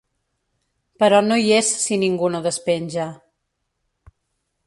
Però no hi és ni ningú no despenja.